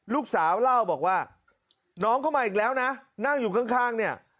ลูกสาวเล่าบอกว่าน้องเข้ามาอีกแล้วนะนั่งอยู่ข้างเนี่ย